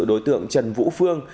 đối tượng trần vũ phương